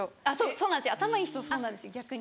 そうなんです頭いい人そうなんです逆に。